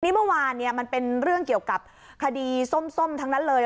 เมื่อวานมันเป็นเรื่องเกี่ยวกับคดีส้มทั้งนั้นเลย